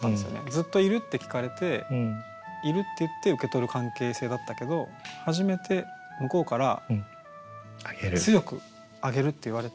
ずっと「いる？」って聞かれて「いる」って言って受け取る関係性だったけど初めて向こうから強く「あげる」って言われて。